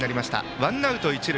ワンアウト、一塁。